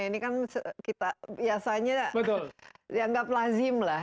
ini kan kita biasanya dianggap lazim lah